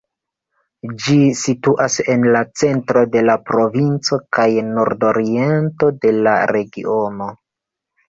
Ĝi situas en la centro de la provinco kaj nordoriento de la regiono.